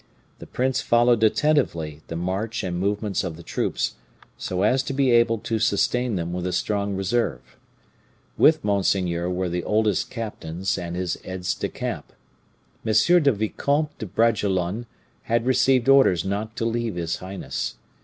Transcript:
The prince followed attentively the march and movements of the troops, so as to be able to sustain them with a strong reserve. With monseigneur were the oldest captains and his aides de camp. M. le Vicomte de Bragelonne had received orders not to leave his highness.